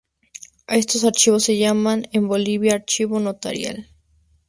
A estos archivos se llaman en Bolivia archivo notarial.